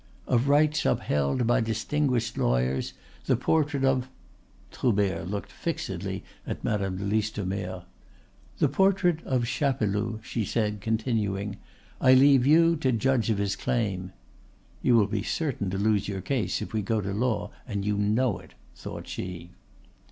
"of rights upheld by distinguished lawyers, the portrait of " Troubert looked fixedly at Madame de Listomere. "the portrait of Chapeloud," she said, continuing: "I leave you to judge of his claim." ("You will be certain to lose your case if we go to law, and you know it," thought she.)